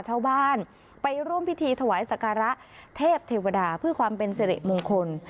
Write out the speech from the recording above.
ชาวบ้านไปร่วมพิธีถวายสการะเทพเทวดาเพื่อความเป็นสิริมงคล